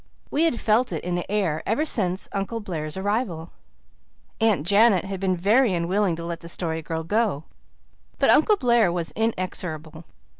We had felt it in the air ever since Uncle Blair's arrival. Aunt Janet had been very unwilling to let the Story Girl go. But Uncle Blair was inexorable.